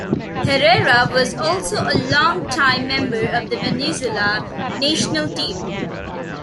Herrera was also a long-time member of the Venezuela national team.